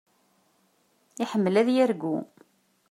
Iḥemmel ad yargu.